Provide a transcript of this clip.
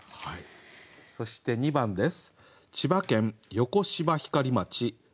そして２番です。